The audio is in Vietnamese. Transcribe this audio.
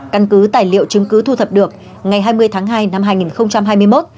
căn cứ tài liệu chứng cứ thu thập được ngày hai mươi tháng hai năm hai nghìn hai mươi một